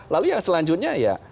lalu yang selanjutnya ya